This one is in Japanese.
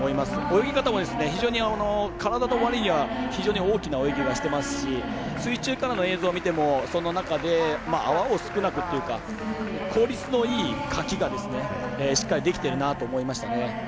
泳ぎ方も体の割には非常に大きな泳ぎをしてますし水中からの映像を見てもその中で、泡を少なくというか効率のいい、かきがしっかりできてるなと思いました。